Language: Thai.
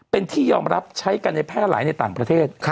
เป็นที่ยอมรับใช้กันในแพร่หลายในต่างประเทศ